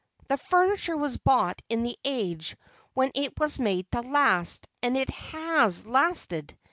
The furniture was bought in the age when it was made to last, and it has lasted.